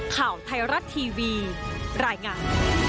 ข่าวไทยรัฐทีวีรายงาน